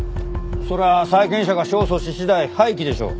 そりゃあ債権者が勝訴し次第廃棄でしょう。